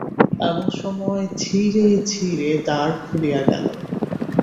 এমন সময় ধীরে ধীরে দ্বার খুলিয়া গেল।